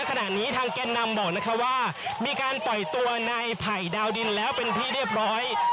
ขณะนี้ทางแกนนำบอกนะคะว่ามีการปล่อยตัวในไผ่ดาวดินแล้วเป็นที่เรียบร้อย